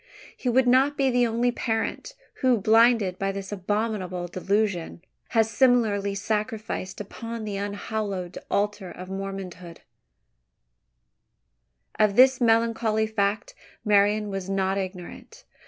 He would not be the only parent, who, blinded by this abominable delusion, has similarly sacrificed upon the unhallowed altar of Mormondom. Of this melancholy fact Marian was not ignorant.